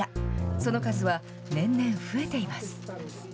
その数は年々増えています。